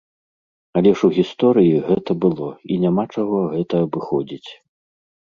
Але ж у гісторыі гэта было, і няма чаго гэта абыходзіць.